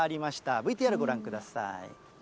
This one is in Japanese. ＶＴＲ、ご覧ください。